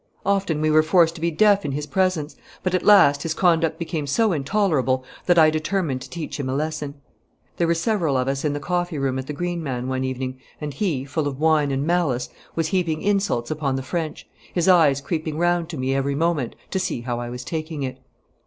Often we were forced to be deaf in his presence, but at last his conduct became so intolerable that I determined to teach him a lesson. There were several of us in the coffee room at the Green Man one evening, and he, full of wine and malice, was heaping insults upon the French, his eyes creeping round to me every moment to see how I was taking it.